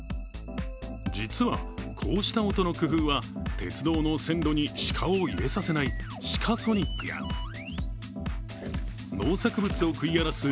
実はこうした音の工夫は鉄道の線路に鹿を入れさせない鹿ソニックや、農作物を食い荒らす